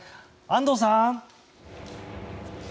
安藤さん！